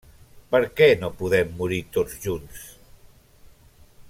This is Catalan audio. Perquè no podem morir tots junts?